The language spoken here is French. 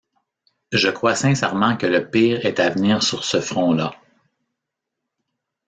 Je crois sincèrement que le pire est à venir sur ce front-là.